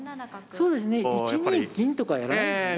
そうですね１二銀とかやらないですよね。